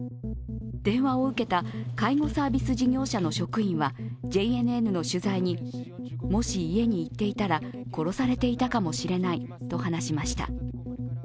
電話を受けた介護サービス事業者の職員はＪＮＮの取材にもし家に行っていたら殺されていたかもしれないと話しました。